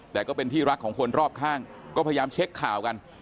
แต่ก็เป็นที่รักของคนรอบข้างก็พยายามเช็คข่าวกัน